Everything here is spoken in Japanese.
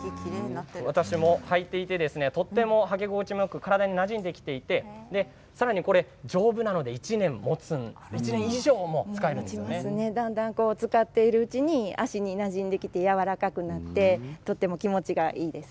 私も履いてとても履き心地もよく体になじんできていてさらに、丈夫なので１年以上だんだん使っているうちに足になじんできて、やわらかくなってとても気持ちいいです。